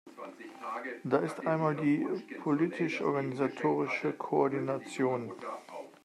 Da ist einmal die politischorganisatorische Koordination.